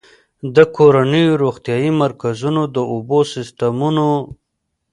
د کورونو، روغتيايي مرکزونو، د اوبو سيستمونو